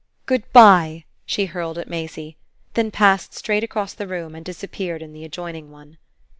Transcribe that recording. "Goodbye!" she hurled at Maisie; then passed straight across the room and disappeared in the adjoining one.